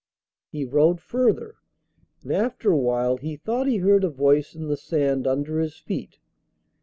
He rode further, and after a while he thought he heard a voice in the sand under his feet.